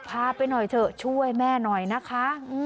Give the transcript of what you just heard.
พาไปหน่อยเถอะช่วยแม่หน่อยนะคะ